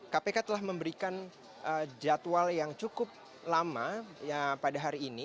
kpk telah memberikan jadwal yang cukup lama pada hari ini